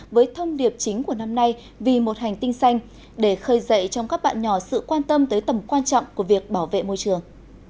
với thông điệp chính của năm nay vì một hành tinh xanh để khơi dậy trong các bạn nhỏ sự quan tâm tới tầm quan trọng của việc bảo vệ môi trường